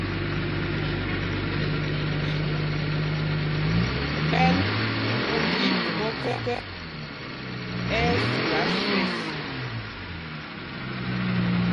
Mbɛ̂l kúl tí pum ɔ́kɛ, ɛ́ ɛ́ sula swes.